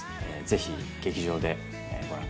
ぜひ劇場でご覧